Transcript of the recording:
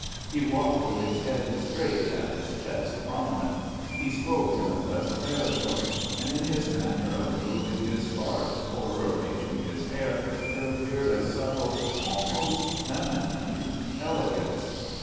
He walked with his head straight and his chest prominent, he spoke in a pleasant baritone, and in his manner of removing his scarf or arranging his hair there appeared a subtle, almost feminine, elegance.